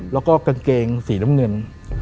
แล้วก็กางเกงสีน้ำเงิน